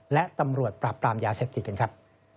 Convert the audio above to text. และตำรวจปราบปรามยาเสพติดกันครับ